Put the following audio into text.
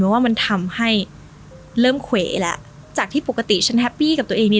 ว่ามันทำให้เริ่มเขวแล้วจากที่ปกติฉันแฮปปี้กับตัวเองเนี่ย